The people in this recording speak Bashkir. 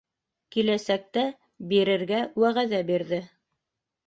Киләсәктә бирергә вәғәҙә бирҙе.